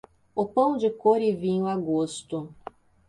O pão de cor e vinho a gosto.